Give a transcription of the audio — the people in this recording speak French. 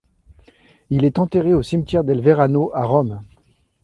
Il est enterré au cimetière del Verano à Rome.